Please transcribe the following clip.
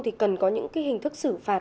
thì cần có những cái hình thức xử phạt